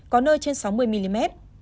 có nơi trên sáu mươi mm